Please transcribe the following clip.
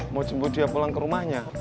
mau jemput dia pulang ke rumahnya